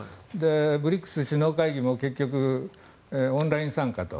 ＢＲＩＣＳ首脳会議も結局、オンライン参加と。